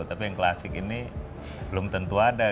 tapi yang klasik ini belum tentu ada